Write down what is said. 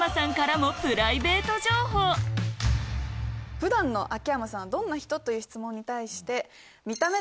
「普段の秋山さんはどんな人？」という質問に対して。